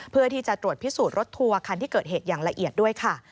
เพื่อที่จะตรวจพิสูจน์รถทัวร์คันที่เกิดเหตุอย่างละเอียดด้วยค่ะ